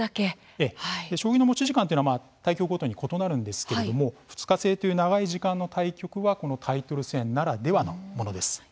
将棋の持ち時間というのは対局ごとに異なるんですけれども２日制という長い時間の対局はタイトル戦ならではのものです。